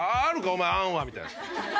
お前案は」みたいな。